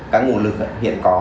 các nguồn lực hiện có